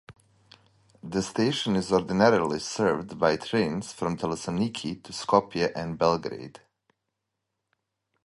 The station is ordinarily served by trains from Thessaloniki to Skopje and Belgrade.